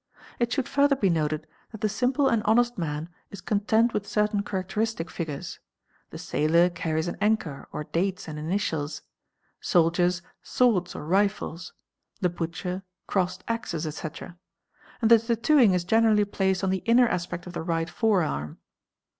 It should further be noted i that the simple and honest man is content with certain characteristic | figures; the sailor carries an anchor or dates and initials ; soldiers, swords a: rifles ; the butcher, crossed axes, etc.; and the tattooing is generally "placed on the inner aspect of the right forearm.